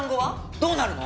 どうなるの？